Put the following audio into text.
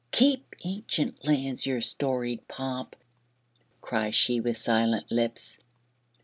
"Keep, ancient lands, your storied pomp!" cries she With silent lips.